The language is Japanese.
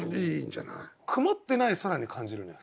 曇ってない空に感じるのよ。